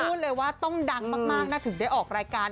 พูดเลยว่าต้องดังมากนะถึงได้ออกรายการ